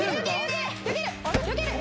よける。